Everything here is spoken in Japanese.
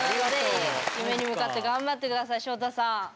夢に向かって頑張って下さいしょうたさん。